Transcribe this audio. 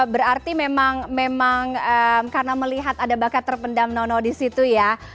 berarti memang karena melihat ada bakat terpendam nono di situ ya